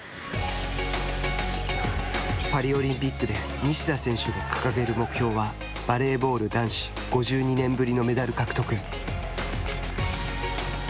パリオリンピックで西田選手が掲げる目標はバレーボール男子５２年ぶりのメダル獲得。